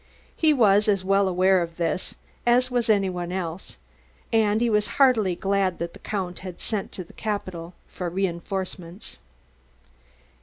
He was as well aware of this as was any one else, and he was heartily glad that the Count had sent to the capital for reinforcements.